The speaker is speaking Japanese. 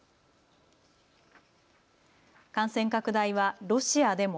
感染拡大はロシアでも。